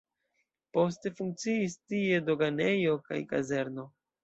Poste funkciis tie doganejo kaj kazerno.